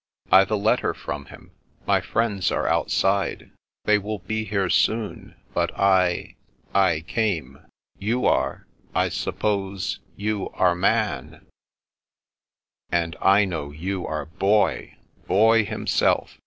I've a letter from him. My friends are outside. They will be here soon, but I — I came. You are — ^I suppose you are Man "" And I know you are Boy, Boy himself.